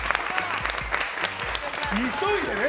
急いでね。